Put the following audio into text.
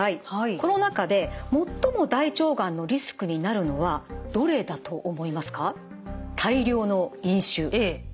この中で最も大腸がんのリスクになるのはどれだと思いますか？